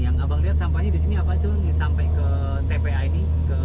yang abang lihat sampahnya di sini apa aja yang sampai ke tpi ini ke tpst ini